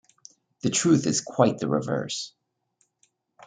The truth is quite the reverse.